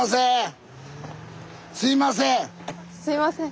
すいません！